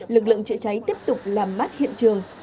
lực lượng chữa cháy tiếp tục làm mát hiện trường